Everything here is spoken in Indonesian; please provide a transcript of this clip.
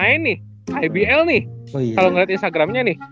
kalau misalnya kita ngeliat instagram character westbundit